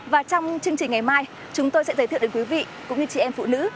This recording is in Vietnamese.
và trong chương trình ngày mai chúng tôi sẽ giới thiệu đến quý vị cũng như chị em phụ nữ